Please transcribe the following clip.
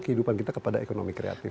kehidupan kita kepada ekonomi kreatif